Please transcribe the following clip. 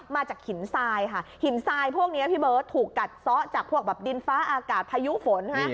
มาจากหินทรายค่ะหินทรายพวกนี้พี่เบิร์ตถูกกัดซ้อจากพวกแบบดินฟ้าอากาศพายุฝน